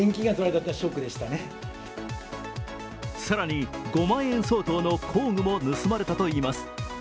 更に５万円相当の工具も盗まれたといいます。